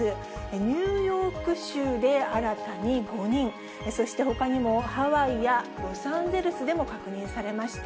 ニューヨーク州で新たに５人、そしてほかにもハワイやロサンゼルスでも確認されました。